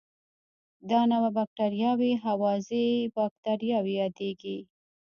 دا نوعه بکټریاوې هوازی باکتریاوې یادیږي.